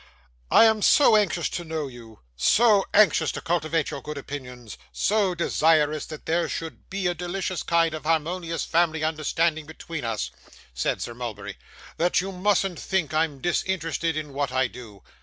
'I am so anxious to know you, so anxious to cultivate your good opinion, so desirous that there should be a delicious kind of harmonious family understanding between us,' said Sir Mulberry, 'that you mustn't think I'm disinterested in what I do.